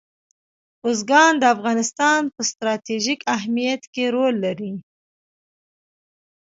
بزګان د افغانستان په ستراتیژیک اهمیت کې رول لري.